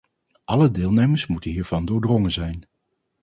Alle deelnemers moeten hier van doordrongen zijn.